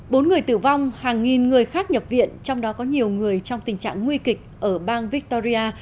bốn người tử vong hàng nghìn người khác nhập viện trong đó có nhiều người trong tình trạng nguy kịch ở bang victoria